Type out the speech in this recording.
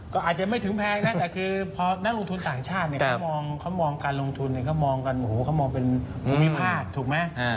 ก็อาจจะไม่ถึงแพงนะแต่คือพอนักลงทุนต่างชาติเนี่ยเขามองการลงทุนเขามองกันโอ้โหเขามองเป็นภูมิภาคถูกไหม